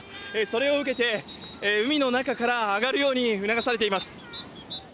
それを受けて、海の中から上がるように促されています。